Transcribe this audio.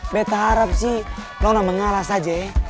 beta harap sih lona mengalah saja ya